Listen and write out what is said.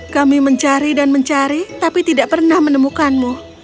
kami mencari dan mencari tapi tidak pernah menemukanmu